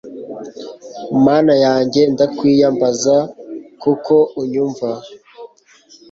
Mana yanjye ndakwiyambaza kuko unyumva